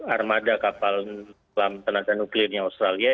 armada kapal selam bertenaga nuklirnya australia